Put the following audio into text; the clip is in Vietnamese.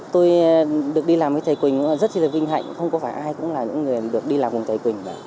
tôi được đi làm với thầy quỳnh rất là vinh hạnh không có phải ai cũng là những người được đi làm cùng thầy quỳnh